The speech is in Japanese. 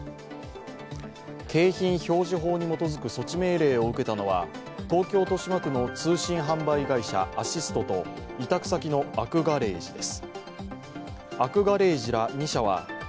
景品表示法に基づく措置命令を受けたのは東京・豊島区の通信販売会社アシストと委託先のアクガレージです。